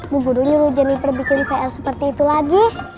bu guru nyuruh jeniper bikin pr seperti itu lagi